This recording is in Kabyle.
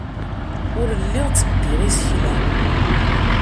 Ur lliɣ ttebbiɣ isekla.